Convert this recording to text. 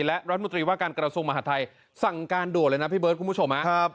และรัฐมนตรีว่าการกระทรวงมหาทัยสั่งการด่วนเลยนะพี่เบิร์ดคุณผู้ชม